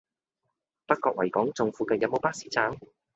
北角維港頌附近有無巴士站？